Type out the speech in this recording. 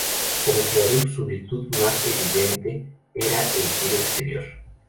Como jugador su virtud más evidente era el tiro exterior.